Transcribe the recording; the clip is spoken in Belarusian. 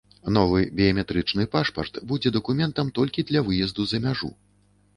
Новы біяметрычны пашпарт будзе дакументам толькі для выезду за мяжу.